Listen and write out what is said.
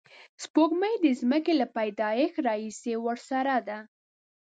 سپوږمۍ د ځمکې له پیدایښت راهیسې ورسره ده